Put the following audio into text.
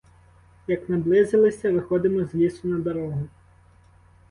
Як наблизилися, виходимо з лісу на дорогу.